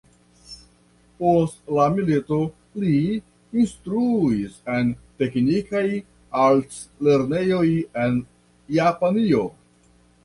Post la milito li instruis en teknikaj alt-lernejoj en Japanio.